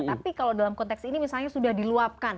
tapi kalau dalam konteks ini misalnya sudah diluapkan